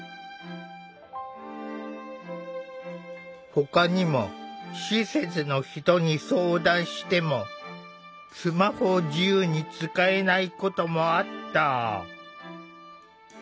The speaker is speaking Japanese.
ほかにも施設の人に相談してもスマホを自由に使えないこともあった。